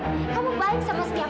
kamu baik sama setiap orang